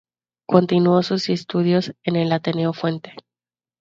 Continuó sus estudios en el Ateneo Fuente.